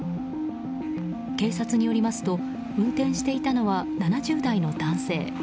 警察によりますと運転していたのは７０代の男性。